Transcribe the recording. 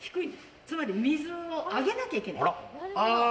つまり水を上げなきゃいけない。